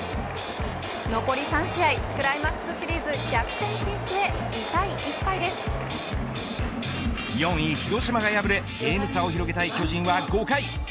残り３試合クライマックスシリーズ逆転進出へ４位広島が敗れゲーム差を広げたい巨人は５回。